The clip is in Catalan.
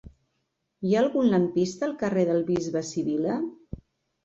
Hi ha algun lampista al carrer del Bisbe Sivilla?